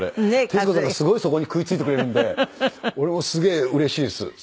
徹子さんがすごいそこに食いついてくれるんで俺もすげえうれしいです。